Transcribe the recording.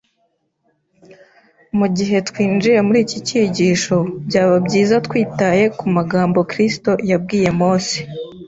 Mu gihe twinjiye muri iki cyigisho, byaba byiza twitaye ku magambo Kristo yabwiye Mose